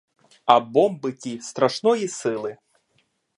А бомби ті страшної сили.